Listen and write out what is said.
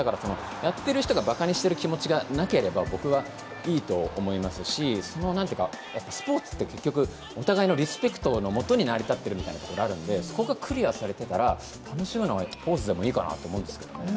やっている人にばかにしている気持ちがなければ僕はいいと思いますし、スポーツって結局お互いのリスペクトのもとに成り立っているみたいなところがあるので、そこがクリアされたら楽しむのはポーズでもいいかなと思うんですけどね。